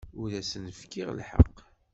Ur asen-kfiɣ lḥeqq.